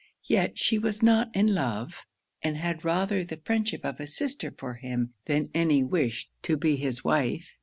Yet she was not in love; and had rather the friendship of a sister for him than any wish to be his wife.